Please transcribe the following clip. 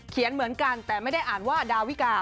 เหมือนกันแต่ไม่ได้อ่านว่าดาวิกา